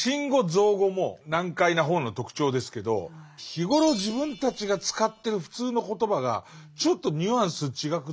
造語も難解な本の特徴ですけど日頃自分たちが使ってる普通の言葉がちょっとニュアンス違く使われてるのも難解になりますね。